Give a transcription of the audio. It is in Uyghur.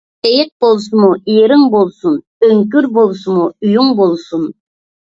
ئېيىق بولسىمۇ ئېرىڭ بولسۇن، ئۆڭكۈر بولسىمۇ ئۆيۈڭ بولسۇن.